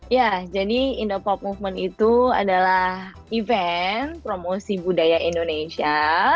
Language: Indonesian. ya jadi indo pop movement itu adalah event promosi budaya indonesia